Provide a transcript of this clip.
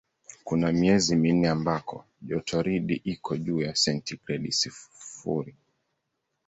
Kuna miezi minne ambako jotoridi iko juu ya sentigredi sifuri.